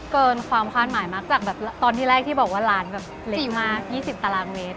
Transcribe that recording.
เกินความคาดหมายมากจากแบบตอนที่แรกที่บอกว่าร้านแบบเล็กมาก๒๐ตารางเมตร